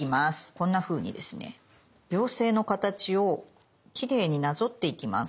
こんなふうにですね妖精の形をきれいになぞっていきます。